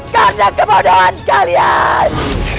karena kebodohan kalian